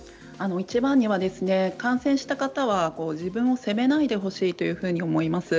いちばんには感染した方は自分を責めないでほしいと思います。